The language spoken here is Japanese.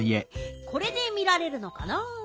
これで見られるのかな？